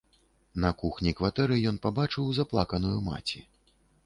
На кухні кватэры ён пабачыў заплаканую маці.